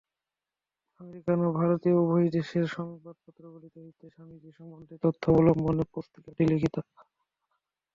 American ও ভারতীয় উভয় দেশের সংবাদপত্রগুলি হইতে স্বামীজী সম্বন্ধে তথ্য অবলম্বনে পুস্তিকাটি লিখিত।